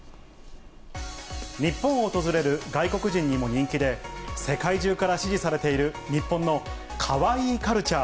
日本を訪れる外国人にも人気で、世界中から支持されている日本のカワイイカルチャー。